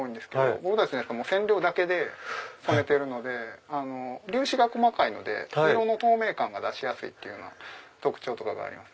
僕たちのやつは染料だけで染めてるので粒子が細かいので色の透明感が出しやすいという特徴があります。